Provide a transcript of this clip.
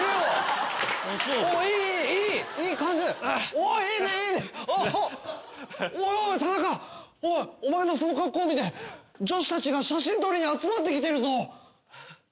おいおい田中おいお前のその格好見て女子たちが写真撮りに集まってきてるぞ。